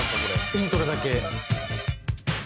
イントロだけ。